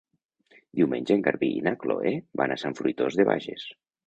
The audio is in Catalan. Diumenge en Garbí i na Chloé van a Sant Fruitós de Bages.